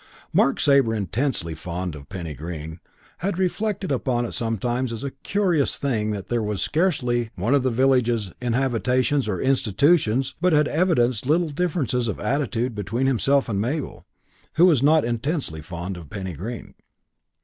IV Mark Sabre, intensely fond of Penny Green, had reflected upon it sometimes as a curious thing that there was scarcely one of the village's inhabitants or institutions but had evidenced little differences of attitude between himself and Mabel, who was not intensely fond of Penny Green.